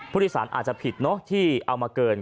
ผู้โดยสารอาจจะผิดเนอะที่เอามาเกิน